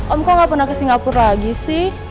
om kok nggak pernah ke singapura lagi sih